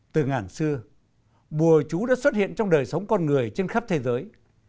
từ ngàn xưa bùa chú đã xuất hiện trong đời sống con người trên khắp thế giới